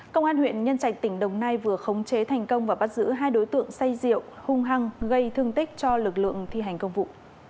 công an huyện nhân trạch tỉnh đồng nai vừa khống chế thành công và bắt giữ hai đối tượng say rượu hung hăng gây thương tích cho lực lượng thi hành công vụ